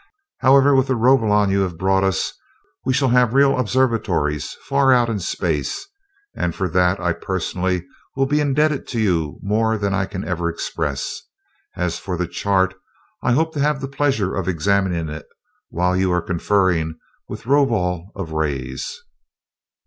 However, with the Rovolon you have brought us, we shall have real observatories far out in space; and for that I personally will be indebted to you more than I can ever express. As for the chart, I hope to have the pleasure of examining it while you are conferring with Rovol of Rays."